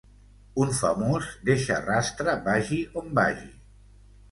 Un famós deixa rastre vagi on vagi.